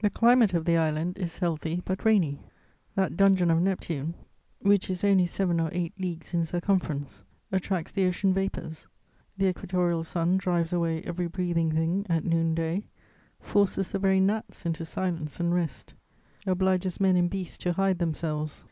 The climate of the island is healthy but rainy: that dungeon of Neptune, which is only seven or eight leagues in circumference, attracts the ocean vapours. The equatorial sun drives away every breathing thing at noon day, forces the very gnats into silence and rest, obliges men and beasts to hide themselves.